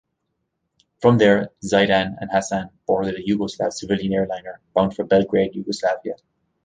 From there, Zaidan and Hassan boarded a Yugoslav civilian airliner bound for Belgrade, Yugoslavia.